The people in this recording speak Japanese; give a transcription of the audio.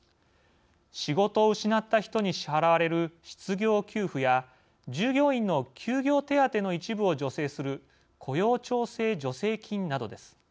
仕事を失った人に支払われる失業給付や従業員の休業手当の一部を助成する雇用調整助成金などです。